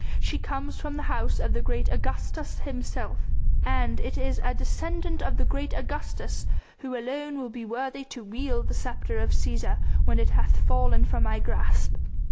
She comes from the House of great Augustus himself, and it is a descendant of the great Augustus who alone will be worthy to wield the sceptre of Cæsar when it hath fallen from my grasp.